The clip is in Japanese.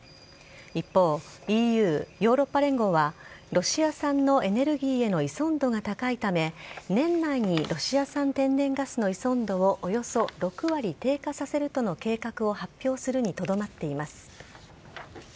一方、ＥＵ・ヨーロッパ連合はロシア産のエネルギーへの依存度が高いため、年内にロシア産天然ガスの依存度をおよそ６割低下させるとの計画を発表するにとどまっています。